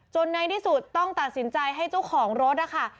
ในที่สุดต้องตัดสินใจให้เจ้าของรถนะคะ